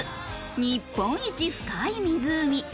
日本一深い湖。